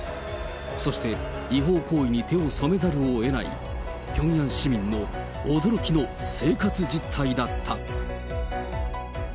そして違法行為に手を染めざるをえないピョンヤン市民の驚きの生活実態だった。